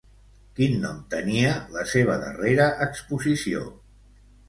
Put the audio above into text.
Quin nom tenia la seva darrera exposició?